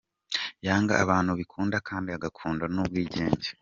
Yanga abantu bikunda kandi agakunda n’ubwigenge.